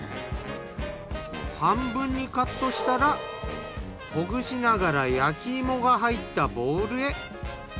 半分にカットしたらほぐしながら焼き芋が入ったボウルへ。